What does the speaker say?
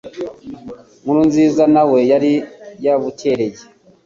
Nkurunziza nawe yari yabukereye